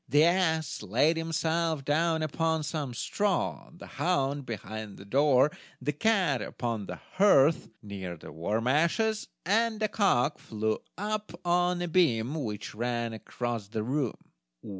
The ass laid himself down upon some straw, the hound behind the door, the cat upon the hearth, near the warm ashes, and the cock flew up on a beam which ran across the room.